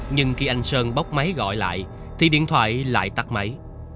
nhưng khi anh sơn bốc máy gọi lại thì điện thoại lại tắt máy